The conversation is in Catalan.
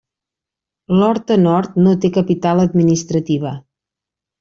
L'Horta Nord no té capital administrativa.